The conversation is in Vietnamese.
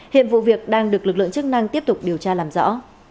hiện vụ việc đang được lực lượng chức năng tiếp tục điều tra làm rõ